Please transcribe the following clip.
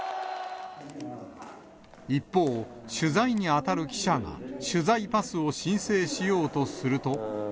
一方、取材に当たる記者が取材パスを申請しようとすると。